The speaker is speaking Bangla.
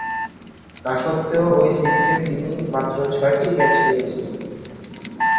তাসত্ত্বেও ঐ সিরিজে তিনি মাত্র ছয়টি ক্যাচ নিয়েছিলেন।